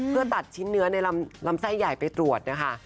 เพื่อตัดชิ้นเนื้อในลำไส้ใหญ่ไปตรวจนะคะ